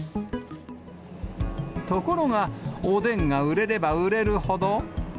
ところが、おでんが売れれば売れるほど。